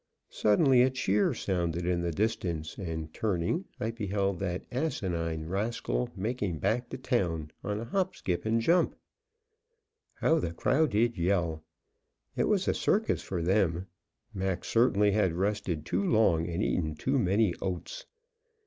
Suddenly, a cheer sounded in the distance, and, turning, I beheld that asinine rascal making back to town on a hop skip and jump. How the crowd did yell! It was a circus for them. Mac certainly had rested too long and eaten too many oats.